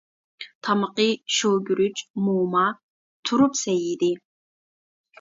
تامىقى شوۋىگۈرۈچ، موما، تۇرۇپ سەي ئىدى.